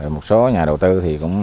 một số nhà đầu tư thì không biết là